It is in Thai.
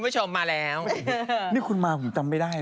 ชอบต้องหมายพอดี